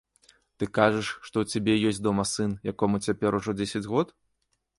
Ты кажаш, што ў цябе ёсць дома сын, якому цяпер ужо дзесяць год?